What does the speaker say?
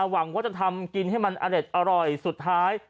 หวังว่าจะทำกินให้มันอเด็ดอร่อยสุดท้าย